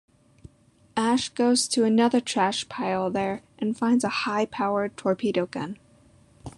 Ash goes to another trash pile there and finds a high powered torpedo gun.